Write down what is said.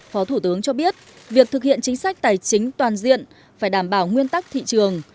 phó thủ tướng cho biết việc thực hiện chính sách tài chính toàn diện phải đảm bảo nguyên tắc thị trường